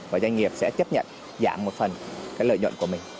và doanh nghiệp sẽ chấp nhận giảm một phần cái lợi nhuận của mình